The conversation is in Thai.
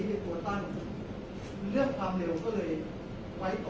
เรื่องความเร็วก็เลยไว้ต่อ